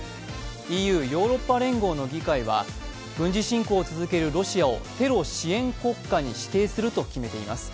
ＥＵ＝ヨーロッパ連合の議会は軍事侵攻を続けるロシアをテロ支援国家に指定すると決めています。